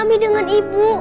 itu kota ibu